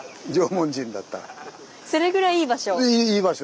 それぐらいいい場所。